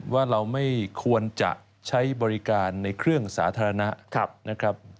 ว่าเราไม่ควรจะใช้บริการในเครื่องสาธารณะนะครับ